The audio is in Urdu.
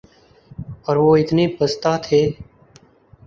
اور وہ اتنے پستہ تھے